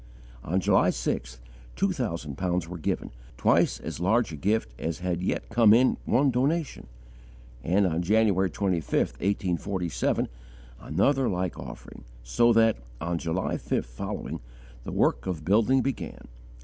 On July 6th, two thousand pounds were given twice as large a gift as had yet come in one donation; and, on January 25, 1847, another like offering, so that, on July 5th following, the work of building began.